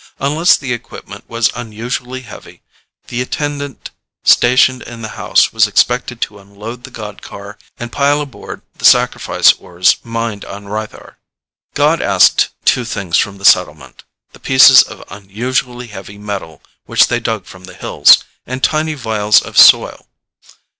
Unless the equipment was unusually heavy, the attendant stationed in the house was expected to unload the god car and pile aboard the sacrifice ores mined on Rythar. God asked two things from the settlement: the pieces of unusually heavy metal which they dug from the hills, and tiny vials of soil.